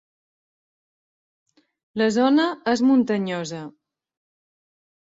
La zona és muntanyosa.